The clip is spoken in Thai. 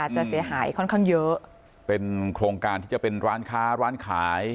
เสียหายค่อนข้างเยอะเป็นโครงการที่จะเป็นร้านค้าร้านขาย